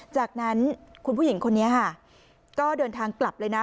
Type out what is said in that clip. จากนั้นคุณผู้หญิงคนนี้ค่ะก็เดินทางกลับเลยนะ